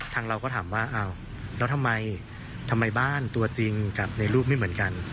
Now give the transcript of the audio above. เราก็ถามว่าอ้าวแล้วทำไมทำไมบ้านตัวจริงกับในรูปไม่เหมือนกัน